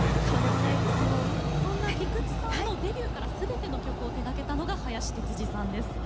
菊池さんのデビューからのすべての曲を手がけたのが林哲司さんです。